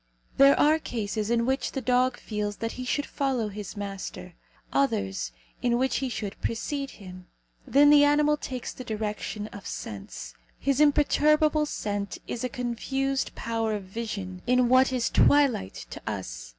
There are cases in which the dog feels that he should follow his master; others, in which he should precede him. Then the animal takes the direction of sense. His imperturbable scent is a confused power of vision in what is twilight to us.